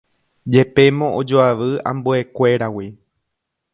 Jepémo ojoavy ambuekuéragui